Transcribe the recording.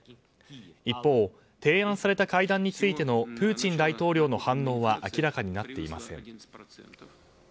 一方、提案された会談についてのプーチン大統領の反応は明らかになっていません。